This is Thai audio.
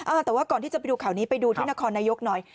แต่ว่าก่อนที่จะไปดูข่าวนี้ไปดูที่นครนายกหน่อย